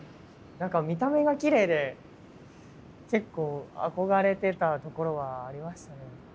何か見た目がきれいで結構憧れてたところはありましたね。